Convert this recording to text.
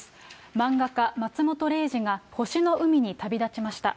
漫画家、松本零士が星の海に旅立ちました。